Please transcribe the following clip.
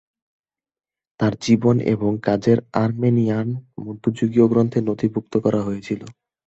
তার জীবন এবং কাজের আর্মেনিয়ান মধ্যযুগীয় গ্রন্থে নথিভুক্ত করা হয়েছিল।